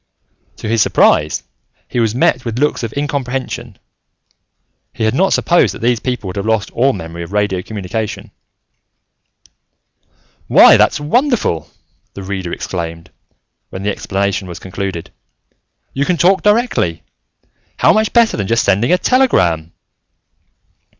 To his surprise, he was met with looks of incomprehension. He had not supposed that these people would have lost all memory of radio communication. "Why, that's wonderful!" the Reader exclaimed, when the explanation was concluded. "You can talk directly. How much better than just sending a telegram!"